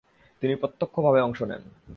তিনি প্রত্যক্ষ ভাবে অংশ নেন।